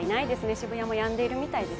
渋谷もやんでいるみたいです。